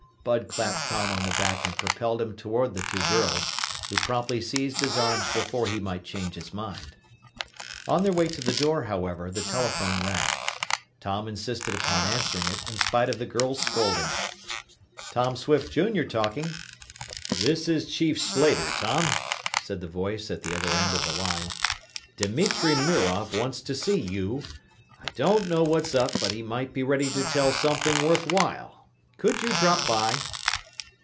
Bud clapped Tom on the back and propelled him toward the two girls, who promptly seized his arms before he might change his mind. On their way to the door, however, the telephone rang. Tom insisted upon answering it, in spite of the girls' scolding. "Tom Swift Jr. talking." "This is Chief Slater, Tom," said the voice at the other end of the line. "Dimitri Mirov wants to see you. I don't know what's up, but he might be ready to tell something worth while. Could you drop by?"